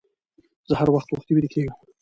زه هر وخت وختي ويده کيږم